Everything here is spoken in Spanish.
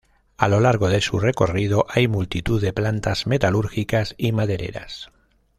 A lo largo de su recorrido hay multitud de plantas metalúrgicas y madereras.